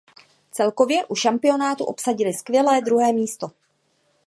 Celkově v šampionátu obsadili skvělé druhé místo.